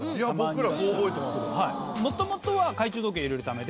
僕らそう覚えてます。